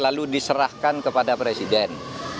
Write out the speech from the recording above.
lalu diserahkan kepada presiden